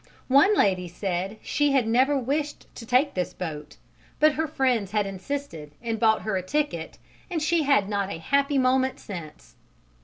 One lady said she had never wished to take this boat, but her friends had insisted and bought her ticket and she had not had a happy moment since.